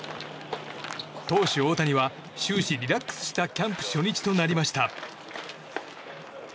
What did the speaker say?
投手・大谷は終始リラックスしたキャンプ初日となりました。